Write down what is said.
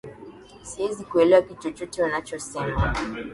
Siwezi kuelewa kitu chochote anachosema